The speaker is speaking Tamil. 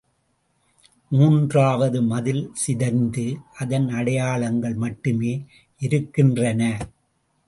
மூன்றாவது மதில் சிதைந்து அதன் அடையாளங்கள் மட்டுமே இருக்கின்றன.